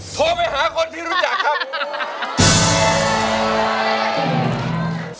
โทรไปหาคนที่รู้จักครับ